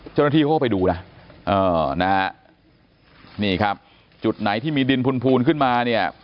เจ้าหน้าที่เขาก็ไปดูนะเออนะฮะนี่ครับจุดไหนที่มีดินพูนขึ้นมาเนี่ย